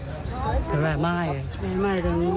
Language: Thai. ไม่มีใครคาดคิดไงคะว่าเหตุการณ์มันจะบานปลายรุนแรงแบบนี้